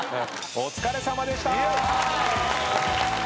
お疲れさまでした！